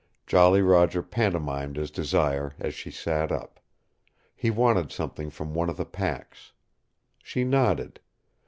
Jolly Roger pantomimed his desire as she sat up. He wanted something from one of the packs. She nodded.